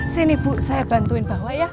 sini bu saya bantuin bapak ya